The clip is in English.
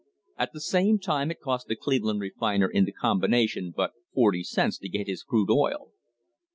At the same time it cost the Cleveland refiner in the combination but forty cents to get his crude oil.